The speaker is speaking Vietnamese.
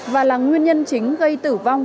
và là nguyên nhân chính gây tử vong